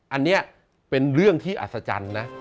อันนี้เป็นเรื่องที่อัศจรรย์นะ